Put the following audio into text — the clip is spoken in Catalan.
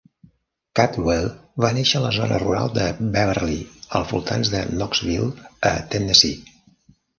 Caldwell va néixer a la zona rural de Beverly, als voltants de Knoxville, a Tennessee.